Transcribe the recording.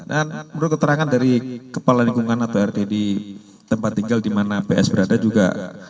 dan menurut keterangan dari kepala lingkungan atau rd di tempat tinggal di mana ps berada juga